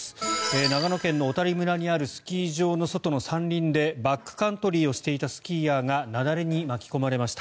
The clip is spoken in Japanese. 長野県の小谷村にあるスキー場の外の山林でバックカントリーをしていたスキーヤーが雪崩に巻き込まれました。